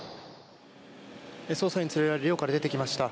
捜査員に連れられ寮から出てきました。